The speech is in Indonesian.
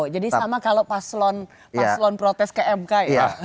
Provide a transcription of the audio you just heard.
jadi sama kalau paslon protes kmk ya